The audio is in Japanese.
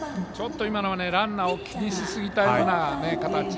ちょっと今のはランナーを気にしすぎたような形。